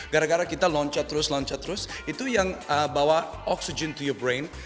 gara gara kita loncat terus loncat terus itu yang bawa oxygen to your brain